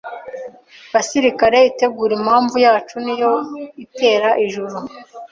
Basirikare itegure Impamvu yacu niyo itera Ijuru